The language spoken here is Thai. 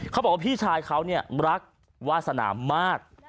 เขาบอกว่าพี่ชายเขาเนี่ยรักวาสนามมาก